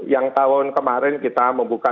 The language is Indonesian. yang tahun kemarin kita membuka tiga ratus dua puluh lima